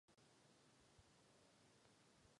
Podrobné archeologické průzkumy však nebyly provedeny.